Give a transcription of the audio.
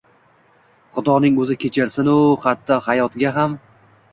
Xudoning o’zi kechirsin-ku, hatto… hayotga ham…